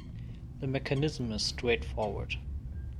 The mechanism is straightforward.